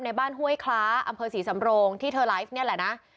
บ้านห้วยคล้าอำเภอศรีสำโรงที่เธอไลฟ์นี่แหละนะ